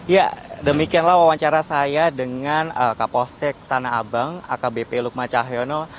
ya demikianlah wawancara saya dengan kapolsek tanah abang akbp lukma cahyono